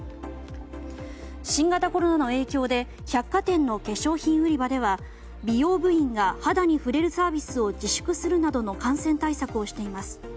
新型コロナの影響で百貨店の化粧品売り場では美容部員が肌に触れるサービスを自粛するなどの感染対策をしています。